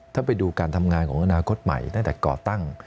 ถ้าไปดูการทำงานของอนาคตใหม่ตั้งแต่ก่อตั้ง